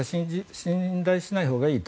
信頼しないほうがいいと。